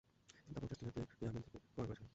তিনি তা পঞ্চাশ দিনার দিয়ে ইয়ামেন থেকে ক্রয় করেছিলেন।